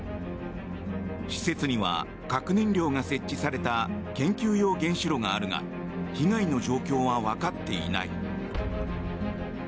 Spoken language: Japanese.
施設には核燃料が設置された研究用原子炉があるが被害の状況は分かっていない。